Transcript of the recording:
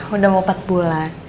udah mau empat bulan